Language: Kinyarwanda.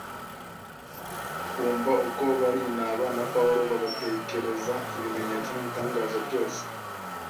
bumva uko Barinaba na Pawulo babatekereza ibimenyetso n’ibitangaza byose